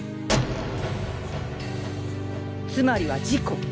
つまりは事故。